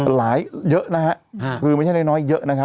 หลายเยอะนะครับคือไม่ใช่น้อยเยอะนะครับ